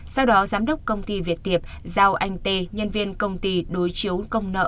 sau đó giám đốc công ty việt tiệp giao anh t nhân viên công ty đối chiếu công nợ